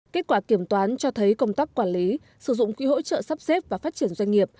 kết quả kiểm toán cho thấy công tác quản lý sử dụng quỹ hỗ trợ sắp xếp và phát triển doanh nghiệp